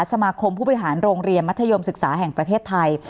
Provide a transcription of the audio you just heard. ผู้บริหารโรงเรียนมัธยมศึกษาแห่งประเทศไทย